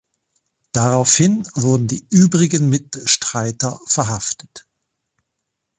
Daraufhin wurden die übrigen Mitstreiter verhaftet.